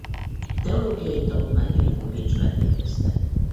Teológiai tanulmányait Bécsben végezte.